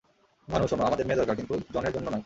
ভানু, শোনো, আমাদের মেয়ে দরকার, কিন্তু জনের জন্য নয়।